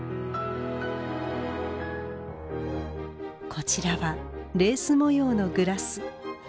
こちらはレース模様のグラス。